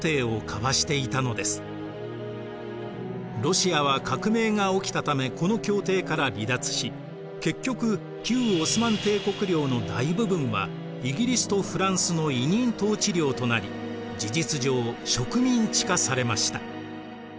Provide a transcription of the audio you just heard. ロシアは革命が起きたためこの協定から離脱し結局旧オスマン帝国領の大部分はイギリスとフランスの委任統治領となり事実上植民地化されました。